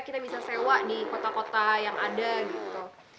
kita bisa sewa di kota kota yang ada gitu